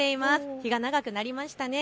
日が長くなりましたね。